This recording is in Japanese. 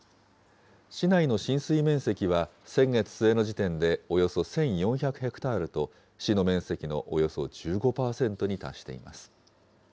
市内の浸水面積は、先月末の時点でおよそ１４００ヘクタールと、市の面積のおよそ１５％に達しています。